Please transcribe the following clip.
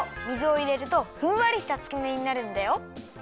水をいれるとふんわりしたつくねになるんだよ。